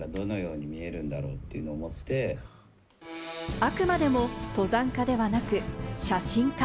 あくまでも登山家ではなく写真家。